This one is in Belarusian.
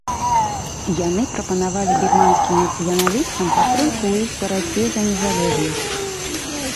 Яны прапанавалі бірманскім нацыяналістам падтрымку ў іх барацьбе за незалежнасць.